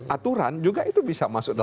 aturan juga itu bisa masuk